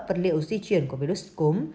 vật liệu di chuyển của virus cúm